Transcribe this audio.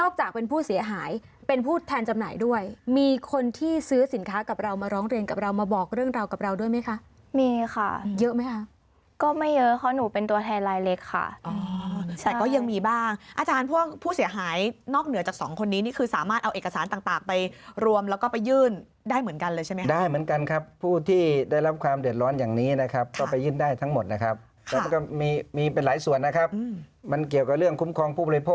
ก็ไม่เยอะเพราะหนูเป็นตัวแทนรายเล็กค่ะแต่ก็ยังมีบ้างอาจารย์พวกผู้เสียหายนอกเหนือจากสองคนนี้นี่คือสามารถเอาเอกสารต่างไปรวมแล้วก็ไปยื่นได้เหมือนกันเลยใช่ไหมครับได้เหมือนกันครับผู้ที่ได้รับความเดือดร้อนอย่างนี้นะครับก็ไปยื่นได้ทั้งหมดนะครับแล้วก็มีเป็นหลายส่วนนะครับมันเกี่ยวกับเรื่องคุ้มครองผู้พลโ